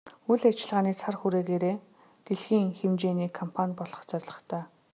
Үйл ажиллагааны цар хүрээгээрээ дэлхийн хэмжээний компани болох зорилготой.